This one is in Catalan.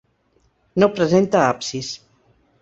No presenta absis.